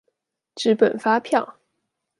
紙本發票